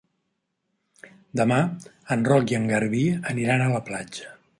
Demà en Roc i en Garbí aniran a la platja.